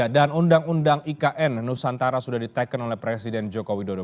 dan undang undang ikn nusantara sudah diteken oleh presiden jokowi dodo